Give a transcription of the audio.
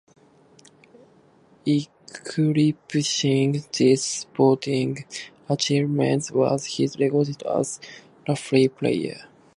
Eclipsing these sporting achievements was his record as a rugby player.